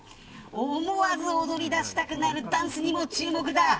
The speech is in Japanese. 思わず踊りだしたくなるダンスにも注目だ。